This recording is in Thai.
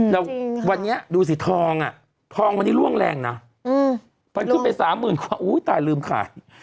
แล้ววันนี้ดูสิทองอ่ะทองทองวันนี้ล่วงแรงนะมันขึ้นไปสามหมื่นกว่าอุ้ยตายลืมขาย